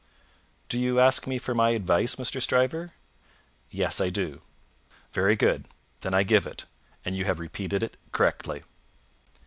"Do you ask me for my advice, Mr. Stryver?" "Yes, I do." "Very good. Then I give it, and you have repeated it correctly."